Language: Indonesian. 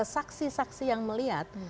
saksi saksi yang melihat